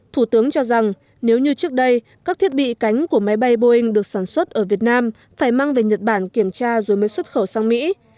thủ tướng cho rằng nếu như trước đây các thiết bị cánh của máy bay boeing được sản xuất ở việt nam phải mang về nhật bản kiểm tra rồi mới xuất khẩu sang mỹ